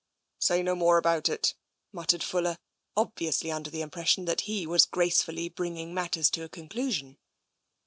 ''" Say no more about it," muttered Fuller, obviously under the impression that he was gracefully bringing matters to a conclusion.